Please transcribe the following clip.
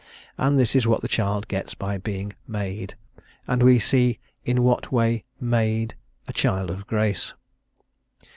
And this is what the child gets by being 'made' and we see in what way made 'a child of grace.'"